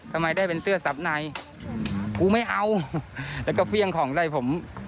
ทำไมได้เป็นเสื้อสับในกูไม่เอาแล้วก็เฟี่ยงของอะไรผม